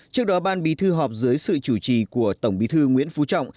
trước đó ban bí thư họp dưới sự chủ trì của tổng bí thư nguyễn phú trọng